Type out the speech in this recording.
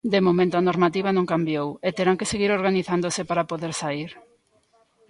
De momento a normativa non cambiou e terán que seguir organizándose para poder saír.